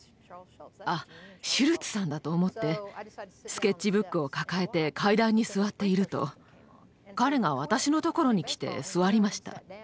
「あっシュルツさんだ」と思ってスケッチブックを抱えて階段に座っていると彼が私のところに来て座りました。